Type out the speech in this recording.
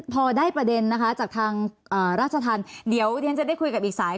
พอได้ประเด็นจากทางราชทัศนศ์เดี๋ยวทีฟฟิฟ้าก็จะได้คุยกับอีกสาย